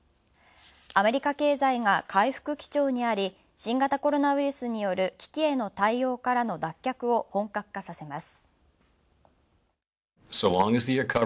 アメリカ経済が回復基調にあり、新型コロナウイルスによる危機への対応からの脱却を本格化させます。